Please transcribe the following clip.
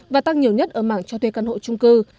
và tăng nhiều nhất ở mảng cho thuê căn hộ trung cư